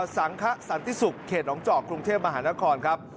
สังขสันติศุกร์เขตน้องเจาะกรุงเทพมหานครครับ